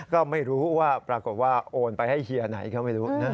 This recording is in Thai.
ก็ไม่รู้ว่าปรากฏว่าโอนไปให้เฮียไหนก็ไม่รู้นะ